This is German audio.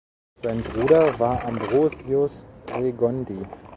Sein Bruder war Ambrosius Regondi.